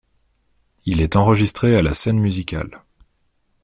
Il est enregistré à La Seine Musicale.